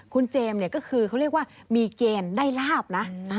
คุณเจมส์เนี่ยก็คือเขาเรียกว่ามีเกณฑ์ได้ลาบนะ